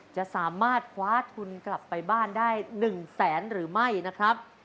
จะสามารถคว้าทุนกลับไปบ้านได้๑แสนหรือไม่นะครับ